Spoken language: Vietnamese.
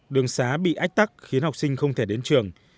đường xá bị ách tắc khiến học sinh không thể đến trường